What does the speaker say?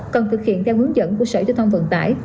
cần thực hiện theo hướng dẫn của sở chủ tâm vận tải